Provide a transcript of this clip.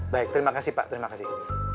baik terima kasih pak terima kasih